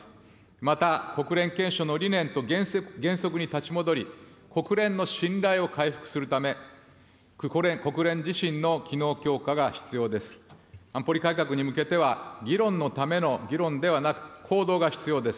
また国連憲章の理念と原則に立ち戻り、国連の信頼を回復するため、国連自身の機能強化が必要です。